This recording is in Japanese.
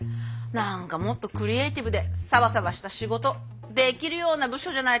何かもっとクリエイティブでサバサバした仕事できるような部署じゃないと私無理かな。